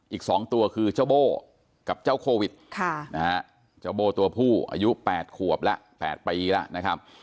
อีก๒ตัวคือเจ้าโบ้กับเจ้าโควิดเจ้าโบ้ตัวผู้อายุ๘ขวบแล้ว๘ปีแล้วนะครับ